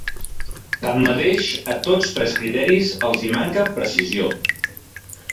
Tanmateix, a tots tres criteris els hi manca precisió.